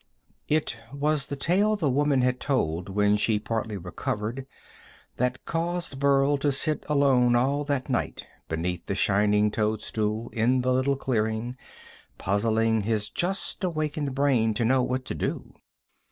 It was the tale the woman had told when she partly recovered that caused Burl to sit alone all that night beneath the shining toadstool in the little clearing, puzzling his just awakened brain to know what to do.